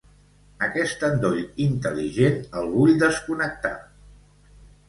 Aquest endoll intel·ligent el vull desconnectar.